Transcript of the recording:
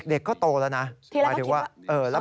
เด็กก็โตแล้วนะ